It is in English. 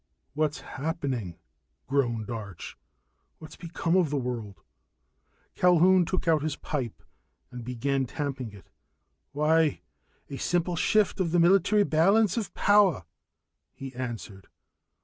"What's happening?" groaned Arch. "What's become of the world?" Culquhoun took out his pipe and began tamping it. "Why, a simple shift of the military balance of power," he answered.